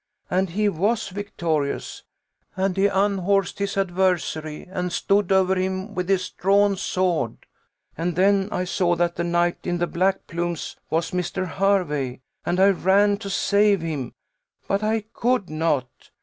And he was victorious. And he unhorsed his adversary, and stood over him with his drawn sword; and then I saw that the knight in the black plumes was Mr. Hervey, and I ran to save him, but I could not.